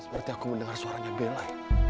seperti aku mendengar suaranya bella